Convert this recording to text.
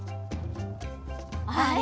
あれ？